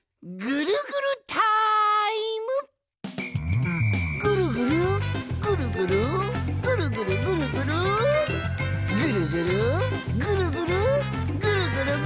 「ぐるぐるぐるぐるぐるぐるぐるぐる」